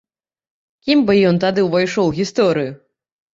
Кім бы ён тады ўвайшоў у гісторыю?